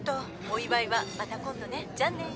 お祝いはまた今度ね。